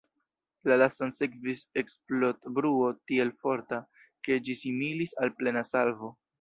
La lastan sekvis eksplodbruo tiel forta, ke ĝi similis al plena salvo.